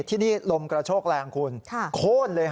ที่นี่ลมกระโชกแรงคุณโค้นเลย